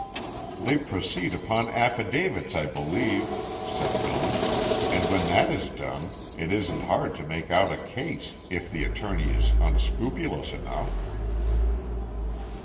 "They proceed upon affidavits, I believe," said Billy, "and when that is done it isn't hard to make out a case, if the attorney is unscrupulous enough."